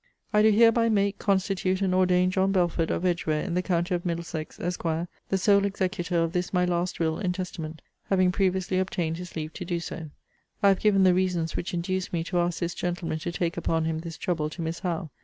I do hereby make, constitute, and ordain John Belford, of Edgware, in the county of Middlesex, Esq. the sole executor of this my last will and testament; having previously obtained his leave so to do. I have given the reasons which induced me to ask this gentleman to take upon him this trouble to Miss Howe.